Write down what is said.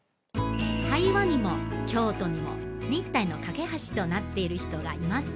台湾にも京都にも日台の懸け橋となっている人がいます